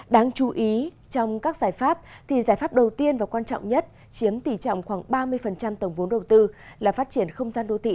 đáng chú ý trong các giải pháp giải pháp đầu tiên và quan trọng nhất chiếm tỷ trọng khoảng ba mươi tổng vốn đầu tư là phát triển không gian đô thị